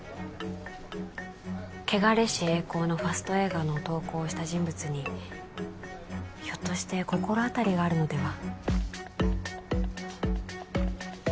「穢れし曳航」のファスト映画の投稿をした人物にひょっとして心当たりがあるのでは？